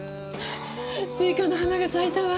スイカの花が咲いたわ。